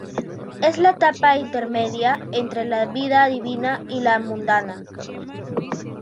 Es la etapa intermedia entre la vida divina y la mundana.